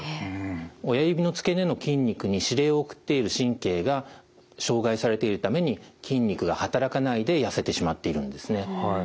親指の付け根の筋肉に指令を送っている神経が障害されているために筋肉が働かないで痩せてしまっているんですね。